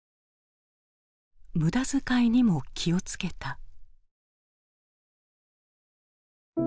無駄遣いにも気を付けた。